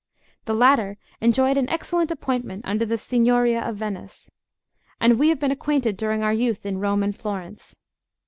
The latter enjoyed an excellent appointment under the Signoria of Venice; and we had been acquainted during our youth in Rome and Florence.